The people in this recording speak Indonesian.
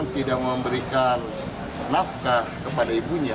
tidak memberikan nafkah kepada ibunya